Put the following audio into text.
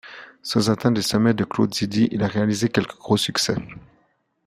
Sans atteindre les sommets de Claude Zidi, il a réalisé quelques gros succès.